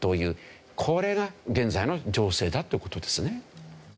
これが現在の情勢だって事ですね。